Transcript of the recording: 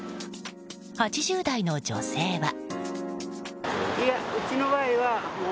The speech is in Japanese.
８０代の女性は。